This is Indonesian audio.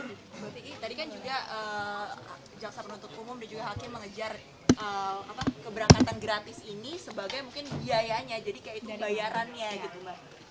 mbak titi tadi kan juga jaksa penuntut umum dan juga hakim mengejar keberangkatan gratis ini sebagai mungkin biayanya jadi kayak itu bayarannya gitu mbak